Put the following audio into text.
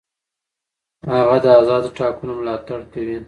هغه د آزادو ټاکنو ملاتړ کوي.